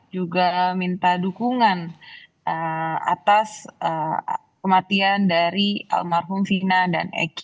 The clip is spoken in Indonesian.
juga minta dukungan atas kematian dari almarhum vina dan eki